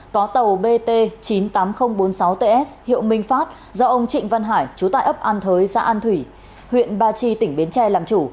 có tàu bt chín mươi tám nghìn bốn mươi sáu ts hiệu minh phát do ông trịnh văn hải chú tại ấp an thới xã an thủy huyện ba chi tỉnh bến tre làm chủ